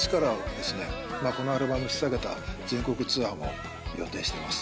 このアルバム引っ提げた全国ツアーも予定してます。